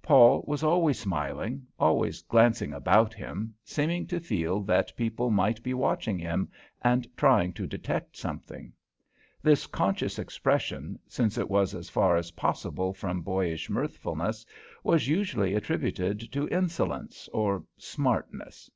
Paul was always smiling, always glancing about him, seeming to feel that people might be watching him and trying to detect something. This conscious expression, since it was as far as possible from boyish mirthfulness, was usually attributed to insolence or "smartness."